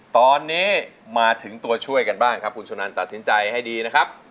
ตอนนี้มาถึงตัวช่วยกันบ้างครับคุณสุนันตัดสินใจให้ดีนะครับ